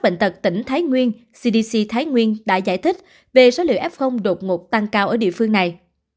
bệnh tật tỉnh thái nguyên cdc thái nguyên đã giải thích về số liệu f đột ngột tăng cao ở địa phương này